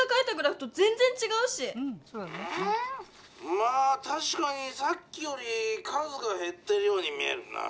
まあたしかにさっきより数がへってるように見えるなぁ。